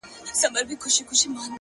خالقه د آسمان په کناره کي سره ناست وو-